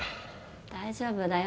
大丈夫だよ。